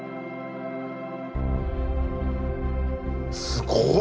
すごい！